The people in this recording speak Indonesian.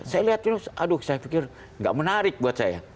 saya lihat terus aduh saya pikir nggak menarik buat saya